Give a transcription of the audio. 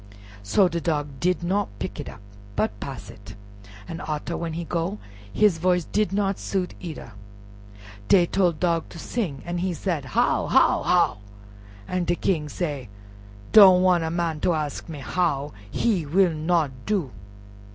So Dog did not pick it up, but pass it; but arter, when he go, his voice did not suit either. Dey tole Dog to sing, an' he said, "How! how! how!" An' de King say, "Don't wan' a man ter ask me how—he will not do."